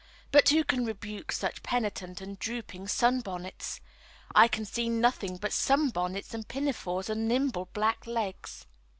But who can rebuke such penitent and drooping sunbonnets? I can see nothing but sunbonnets and pinafores and nimble black legs.